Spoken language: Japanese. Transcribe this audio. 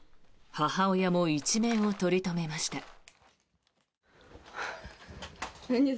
母親も一命を取り留めました。